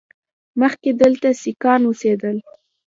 مخکې دلته سیکان اوسېدل